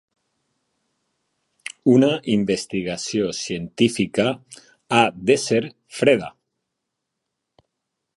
Una investigació científica ha d'ésser freda.